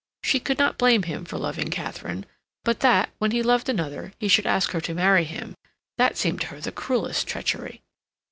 She could not blame him for loving Katharine, but that, when he loved another, he should ask her to marry him—that seemed to her the cruellest treachery.